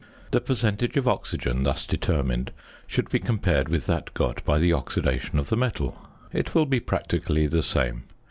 The percentage of oxygen thus determined should be compared with that got by the oxidation of the metal. It will be practically the same.